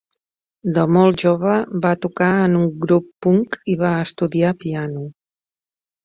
De molt jove va tocar en un grup punk i va estudiar piano.